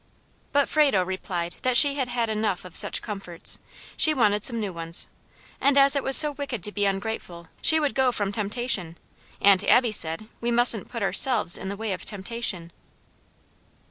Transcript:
But Frado replied that she had had enough of such comforts; she wanted some new ones; and as it was so wicked to be ungrateful, she would go from temptation; Aunt Abby said "we mustn't put ourselves in the way of temptation."